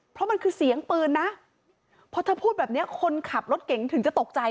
เพราะมันคือเสียงปืนนะเพราะเธอพูดแบบนี้คนขับรถเก่งถึงจะตกใจ